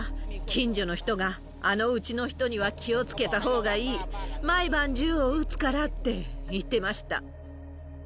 近所の人が、あのうちの人には気をつけたほうがいい、毎晩銃を撃つからって言ってました。